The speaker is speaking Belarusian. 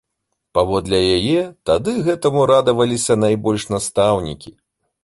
Паводле яе, тады гэтаму радаваліся найбольш настаўнікі.